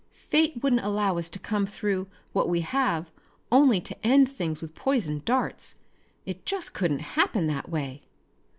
"Fate wouldn't allow us to come through what we have only to end things with poisoned darts. It just couldn't happen that way!"